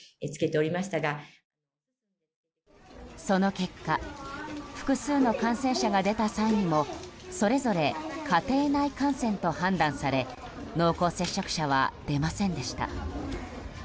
その結果複数の感染者が出た際にもそれぞれ家庭内感染と判断され濃厚接触者は出ませんでした。